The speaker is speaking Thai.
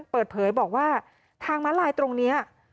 เปิดเผยบอกว่าทางม้าลายตรงนี้